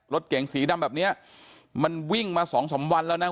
รถเก๋งสีดำแบบเนี้ยมันวิ่งมาสองสามวันแล้วนะ